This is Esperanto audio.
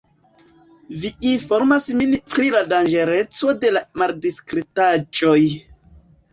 Vi informas min pri la danĝereco de la maldiskretaĵoj.